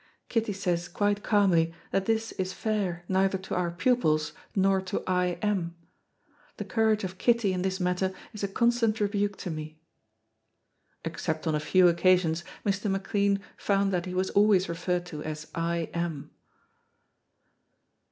Kitty says quite calmly that this is fair neither to our pupils nor to I M . The courage of Kitty in this matter is a constant rebuke to me." Except on a few occasions Mr. McLean found that he was always referred to as I M